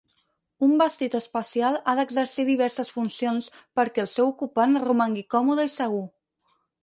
Un vestit espacial ha d'exercir diverses funcions perquè el seu ocupant romangui còmode i segur.